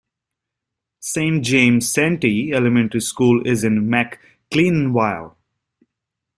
Saint James-Santee Elementary School is in McClellanville.